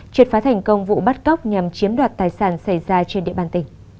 triệt phá thành công vụ bắt cóc nhằm chiếm đoạt tài sản xảy ra trên địa bàn tỉnh